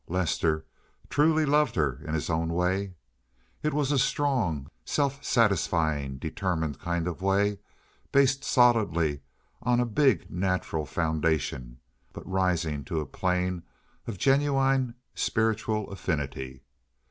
Lester truly loved her in his own way. It was a strong, self satisfying, determined kind of way, based solidly on a big natural foundation, but rising to a plane of genuine spiritual affinity.